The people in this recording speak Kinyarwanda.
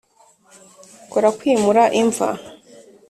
kora kwimura imva.